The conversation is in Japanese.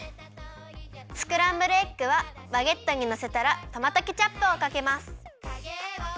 スクランブルエッグはバゲットにのせたらトマトケチャップをかけます。